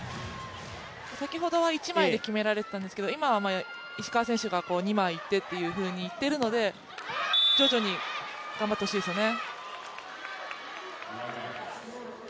先ほどは一枚で決められていたんですけど今は石川選手が二枚いってというふうにいっているので、徐々に頑張ってほしいですよね。